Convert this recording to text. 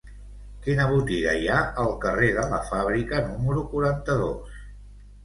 Quina botiga hi ha al carrer de la Fàbrica número quaranta-dos?